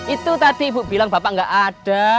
itu tadi ibu bilang bapak nggak ada